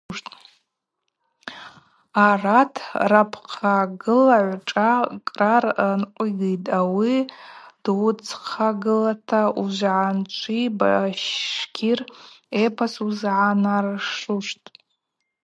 Ауат рапхъагылагӏв шӏа кърар нкъвигитӏ, ауи дуыцхъагылата уыжвгӏанчӏви башкир эпос узыгӏаныршуштӏ.